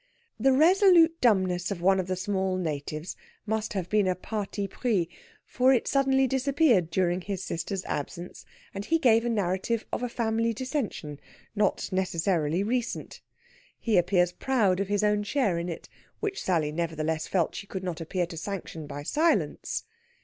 The resolute dumbness of one of the small natives must have been a parti pris, for it suddenly disappeared during his sister's absence, and he gave a narrative of a family dissension, not necessarily recent. He appears proud of his own share in it, which Sally nevertheless felt she could not appear to sanction by silence.